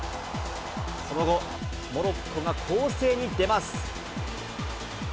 その後、モロッコが攻勢に出ます。